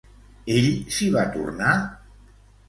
Ell s'hi va tornar?